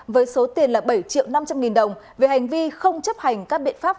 với số tiền là bảy triệu năm trăm linh nghìn đồng về hành vi không chấp hành các biện pháp